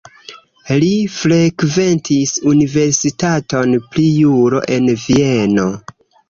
Li frekventis universitaton pri juro en Vieno.